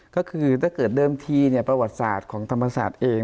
ก็คือถ้าเกิดเดิมทีประวัติศาสตร์ของธรรมศาสตร์เอง